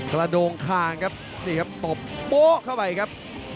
ตราโด่งคางครับตบโบ๊ะเข้าไปครับ